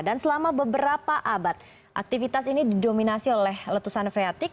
dan selama beberapa abad aktivitas ini didominasi oleh letusan freatik